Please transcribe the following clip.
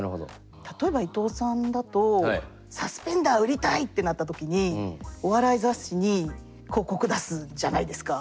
例えば伊藤さんだと「サスペンダー売りたい」ってなった時にお笑い雑誌に広告出すじゃないですか。